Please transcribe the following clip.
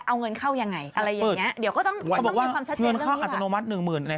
เอาเงินเข้ายังไงอะไรอย่างเงี้เดี๋ยวก็ต้องเขาบอกว่ามีความชัดเจนเข้าอัตโนมัติหนึ่งหมื่น